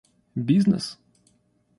бизнес